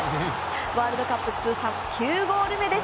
ワールドカップ通算９ゴール目です。